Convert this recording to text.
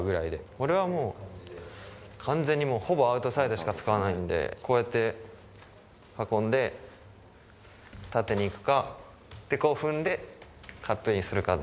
俺はもう、完全にもう、ほぼアウトサイドしか使わないんで、こうやって、囲んで縦に行くか、踏んでカットインするかで。